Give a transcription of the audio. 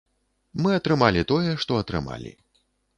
Мы атрымалі тое, што атрымалі.